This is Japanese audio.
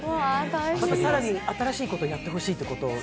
更に新しいことやってほしいってこと？